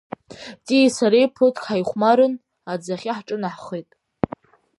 Тиеи сареи ԥыҭк ҳаихәмарын, аӡахьы ҳҿынаҳхеит.